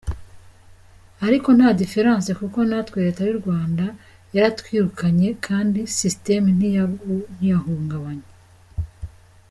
Ariko nta difference kuko natwe leta y’u Rwanda yaratwirukanye kandi system ntiyahungabanye.